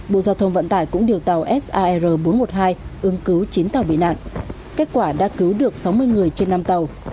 bộ giao thông vận tải cũng điều tàu sar bốn trăm một mươi hai ứng cứu chín tàu bị nạn kết quả đã cứu được sáu mươi người trên năm tàu